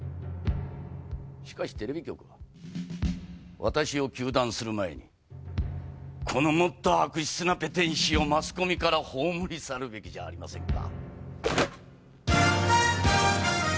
しかしテレビ局はわたしを糾弾する前にこのもっと悪質なペテン師をマスコミから葬り去るべきじゃありませんか？